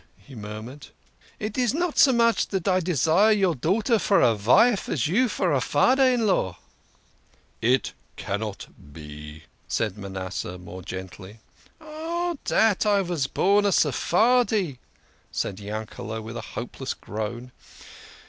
he mur mured. " It is not so much dat I desire your daughter for a vife as you for a fader in law." " It cannot be !" said Manasseh more gently. " Oh dat I had been born a Sephardi !" said Yankele with a hopeless groan.